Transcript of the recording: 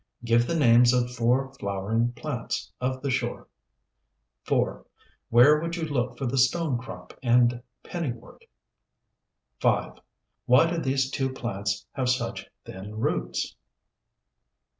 Give the names of four flowering plants of the shore. 4. Where would you look for the Stone crop and Penny wort? 5. Why do these two plants have such thin roots?